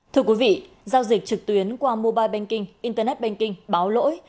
thưa quý vị giao dịch trực tuyến qua mobile banking internet banking báo lỗi